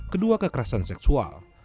kedua kekerasan seksual